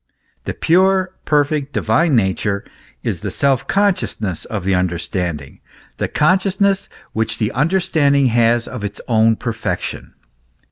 The pure, perfect divine nature is the self consciousness of the understanding, the conscious ness which the understanding has of its own perfection.